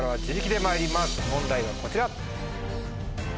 問題はこちら。